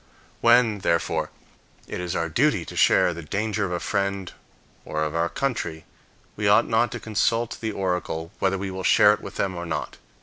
When, therefore, it is our duty to share the danger of a friend or of our country, we ought not to consult the oracle whether we will share it with them or not.